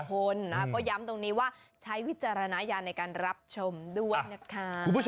คนก็ย้ำตรงนี้ว่าใช้วิจารณญาณในการรับชมด้วยนะคะ